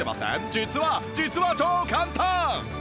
実は実は超簡単！